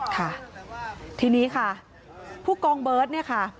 ค่ะทีนี้ค่ะผู้กองเบิร์ตเนี่ยค่ะ